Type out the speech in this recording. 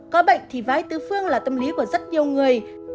có bệnh thì vái tứ phương là tâm lý của rất nhiều người